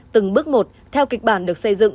từng bước một theo kịch bản được xây dựng